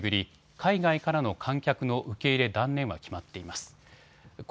海外からの観客の受け入れ断念は決まっています。